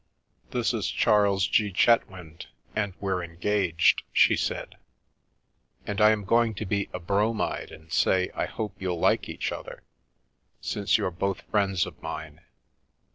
" This is Charles G. Chetwynd, and we're engaged," she said, " and I am going to be a bromide and say I hope you'll like each other, since you're both friends of mine.